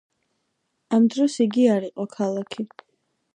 ამ დროს იგი არ იყო ქალაქი.